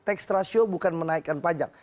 tekst rasio bukan menaikkan pajak